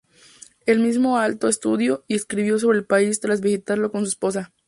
El mismo Aalto estudió y escribió sobre el país tras visitarlo con su esposa.